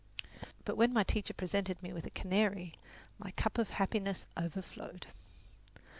But when my teacher presented me with a canary, my cup of happiness overflowed.